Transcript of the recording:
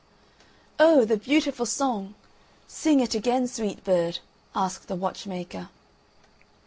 "Oh, the beautiful song! sing it again, sweet bird," asked the watchmaker.